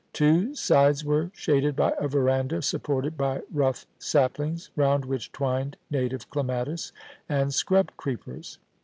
Two sides were shaded by a verandah supported by rough saplings, round which twined native clematis and scrub creepers.